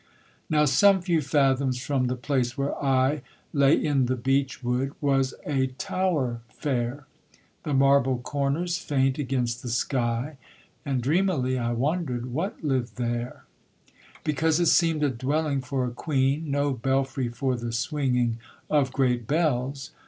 Now some few fathoms from the place where I Lay in the beech wood, was a tower fair, The marble corners faint against the sky; And dreamily I wonder'd what lived there: Because it seem'd a dwelling for a queen, No belfry for the swinging of great bells.